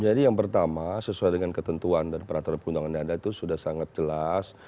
jadi yang pertama sesuai dengan ketentuan dan peraturan pengundangan anda itu sudah sangat jelas